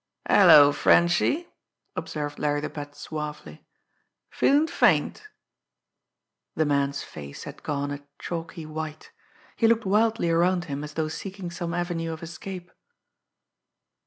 "Hello, Frenchy!" observed Larry the Bat suavely. "Feelin' faint?" The man's face had gone a chalky white. He looked wildly around him, as though seeking some avenue of escape.